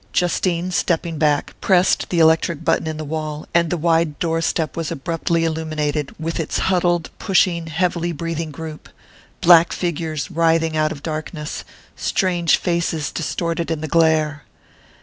Justine, stepping back, pressed the electric button in the wall, and the wide door step was abruptly illuminated, with its huddled, pushing, heavily breathing group...black figures writhing out of darkness, strange faces distorted in the glare.